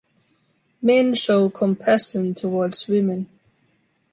Men show compassion towards women.